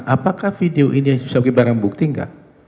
apakah video ini bisa berbukti enggak